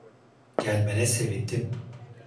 Gelmene sevindim.